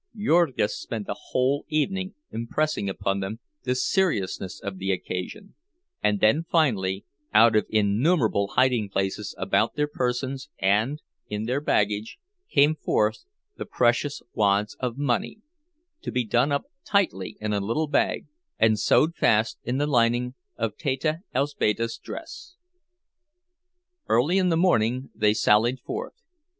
Jurgis spent a whole evening impressing upon them the seriousness of the occasion—and then finally, out of innumerable hiding places about their persons and in their baggage, came forth the precious wads of money, to be done up tightly in a little bag and sewed fast in the lining of Teta Elzbieta's dress. Early in the morning they sallied forth.